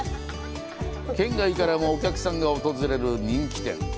県外からも客が訪れる人気店。